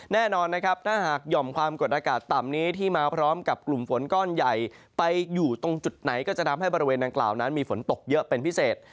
แน่นอนนะครับถ้าหากห่อมความกดอากาศต่ำนี้ที่มาพร้อมกับกลุ่มฝนก้อนใหญ่ไปอยู่ตรงจุดไหนก็จะทำให้บริเวณดังกล่าวนั้นมีฝนตกเยอะเป็นพิเศษ